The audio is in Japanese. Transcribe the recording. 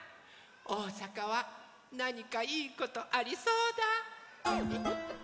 おおさかはなにかいいことありそうだ！